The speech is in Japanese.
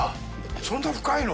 そんな深いの！？